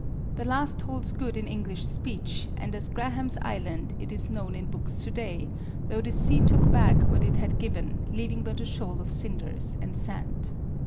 The last holds good in English speech, and as Graham's Island it is known in books to day, though the sea took back what it had given, leaving but a shoal of cinders and sand.